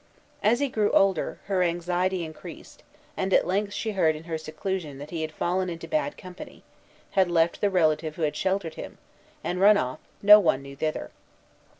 As he grew older, her anxiety increased; and at length she heard in her seclusion that he had fallen into bad company, had left the relative who had sheltered him, and run off, no one knew whither.